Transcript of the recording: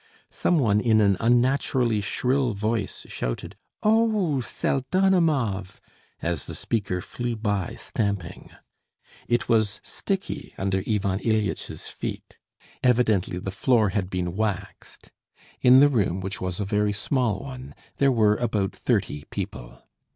Some one in an unnaturally shrill voice shouted, "O o oh, Pseldonimov!" as the speaker flew by stamping. It was sticky under Ivan Ilyitch's feet; evidently the floor had been waxed. In the room, which was a very small one, there were about thirty people.